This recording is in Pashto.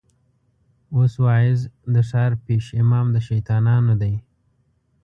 اوس واعظ د ښار پېش امام د شيطانانو دی